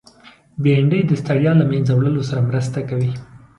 بېنډۍ د ستړیا له منځه وړلو سره مرسته کوي